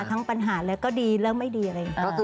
ทั้งปัญหาแล้วก็ดีเรื่องไม่ดีอะไรอย่างนี้